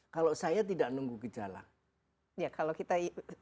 kalau saya tidak nunggu gejala